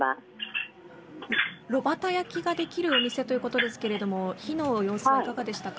ろばた焼ができるお店ということですけれども火の様子はいかがでしたか。